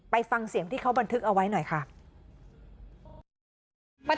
ไปฟังเสียงที่เขาบันทึกเอาไว้หน่อยค่ะ